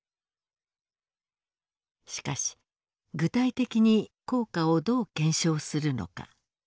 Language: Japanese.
しかし具体的に効果をどう検証するのか。